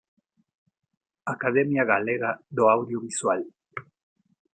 Academia Galega do Audiovisual